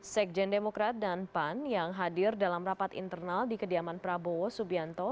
sekjen demokrat dan pan yang hadir dalam rapat internal di kediaman prabowo subianto